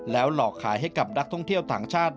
หลอกขายให้กับนักท่องเที่ยวต่างชาติ